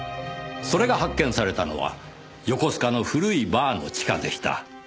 それが発見されたのは横須賀の古いバーの地下でした。